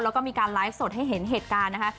แล้วก็มีการไลฟ์สดให้เห็นเหตุการณ์นะคะ